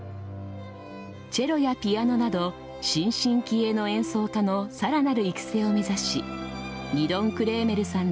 チェロやピアノなど新進気鋭の演奏家の更なる育成をめざしギドン・クレーメルさん